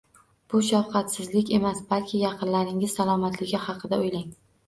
Bu shafqatsizlik emas, balki yaqinlaringiz salomatligi haqida o'ylang